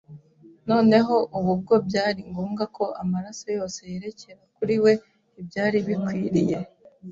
Noneho ubu bwo byari ngombwa ko amaso yose yerekera kuri we ibyari bikwiriye